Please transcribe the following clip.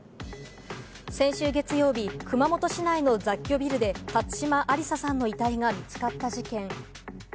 先週月曜日、熊本市内の雑居ビルで辰島ありささんの遺体が見つかった事件。